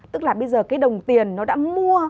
tức là bây giờ cái đồng tiền nó đã mua